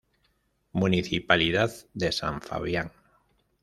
Municipalidad de San Fabián.